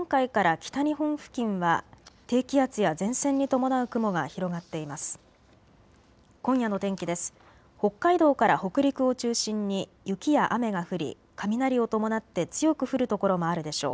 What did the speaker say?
北海道から北陸を中心に雪や雨が降り雷を伴って強く降る所もあるでしょう。